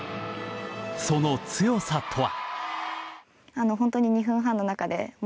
その強さとは？